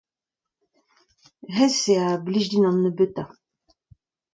hennezh eo a blij din an nebeutañ.